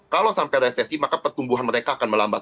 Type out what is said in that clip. kalau sampai resesi maka pertumbuhan mereka akan melambat